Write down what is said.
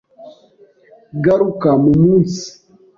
Garuka mumunsi.